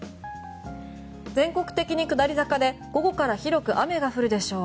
全国的に下り坂で午後から広く雨が降るでしょう。